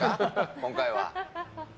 今回は。